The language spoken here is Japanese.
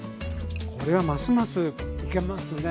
これはますますいけますね。